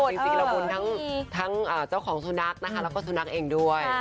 จริงแล้วบุญทั้งเจ้าของสุนัขนะคะแล้วก็สุนัขเองด้วย